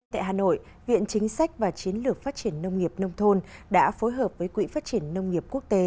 tại hà nội viện chính sách và chiến lược phát triển nông nghiệp nông thôn đã phối hợp với quỹ phát triển nông nghiệp quốc tế